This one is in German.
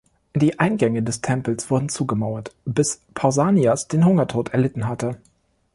Die Eingänge des Tempels wurden zugemauert, bis Pausanias den Hungertod erlitten hatte.